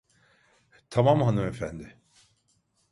Tamam hanımefendi.